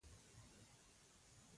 زلزلو پیترا ښار تر خاورو لاندې پټ کړ.